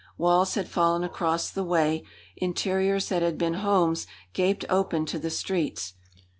Walls had fallen across the way, interiors that had been homes gaped open to the streets.